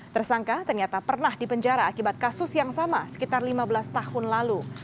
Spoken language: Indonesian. tersangka ternyata pernah dipenjara akibat kasus yang sama sekitar lima belas tahun lalu